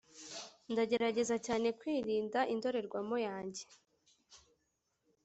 ndagerageza cyane kwirinda indorerwamo yanjye.